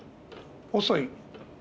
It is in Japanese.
遅い。